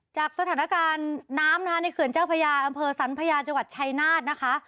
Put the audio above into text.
จากสถานการณ์น้ำนะคะในเขื่อนเจ้าพญาอำเภอสันพญาจังหวัดชัยนาธนะคะ